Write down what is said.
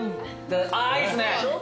あいいっすね。